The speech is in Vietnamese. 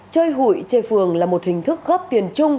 chơi hủy chơi phường là một hình thức góp tiền chung